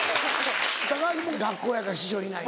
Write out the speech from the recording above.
高橋も学校やから師匠いないもんな。